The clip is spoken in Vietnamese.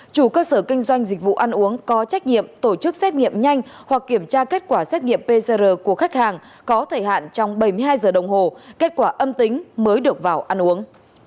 chủ cơ sở kinh doanh dịch vụ ăn uống có trách nhiệm tổ chức xét nghiệm nhanh hoặc kiểm tra kết quả xét nghiệm pcr của khách hàng có thời hạn trong bảy mươi hai giờ đồng hồ kết quả âm tính mới được vào ăn uống